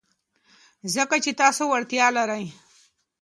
ځکه چې تاسو وړتیا لرئ.